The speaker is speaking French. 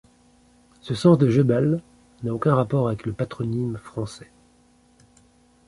Ce sens de gebel n'a aucun rapport avec le patronyme français.